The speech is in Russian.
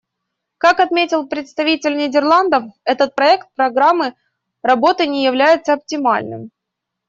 Как отметил представитель Нидерландов, этот проект программы работы не является оптимальным.